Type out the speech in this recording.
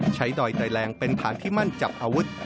ดอยไตแรงเป็นฐานที่มั่นจับอาวุธ